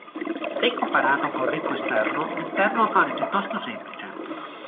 Se comparato col ricco esterno, l'interno appare piuttosto semplice.